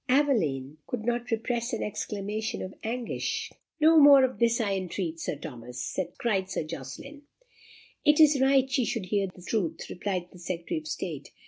Aveline could not repress an exclamation of anguish. "No more of this, I entreat, Sir Thomas," cried Sir Jocelyn. "It is right she should hear the truth," replied the Secretary of State.